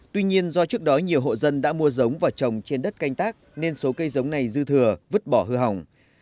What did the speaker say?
tuy nhiên do trước đó nhiều hộ dân đã mua giống và trồng trên đất canh tác nên số cây giống này dư thừa vứt bỏ hư hỏng